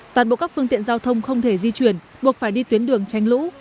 toàn bộ các phương tiện giao thông không thể di chuyển buộc phải đi tuyến đường tranh lũ